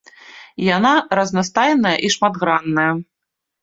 Яна разнастайная і шматгранная.